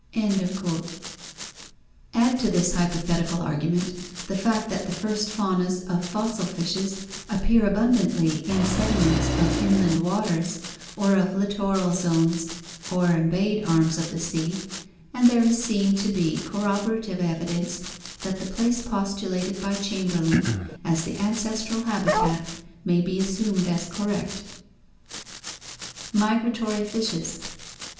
Add to this hypothetical argument the fact that the first faunas of fossil fishes appear abundantly in sediments of inland waters or of littoral zones or embayed arms of the sea, and there is seen to be corroborative evidence that the place postulated by Chamberlin as the ancestral habitat may be assumed as correct. See also Epilogue. Migratory Fishes.